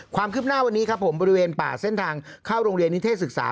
ความคืบหน้าวันนี้ครับผมบริเวณป่าเส้นทางเข้าโรงเรียนนิเทศศึกษา